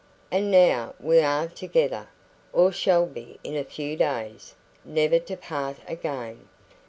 And now we are together or shall be in a few days never to part again.